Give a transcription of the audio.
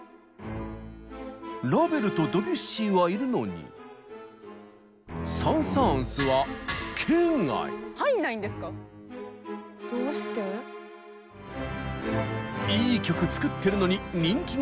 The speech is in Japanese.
ラヴェルとドビュッシーはいるのにサン・サーンスはいい曲作ってるのに人気がない？